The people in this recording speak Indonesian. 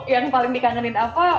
yang paling dikangenin apa